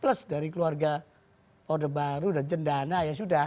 plus dari keluarga orde baru dan jendana ya sudah